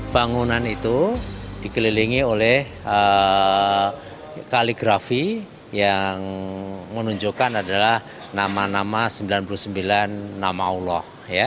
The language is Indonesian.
bangunan itu dikelilingi oleh kaligrafi yang menunjukkan adalah nama nama sembilan puluh sembilan nama allah